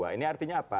ini artinya apa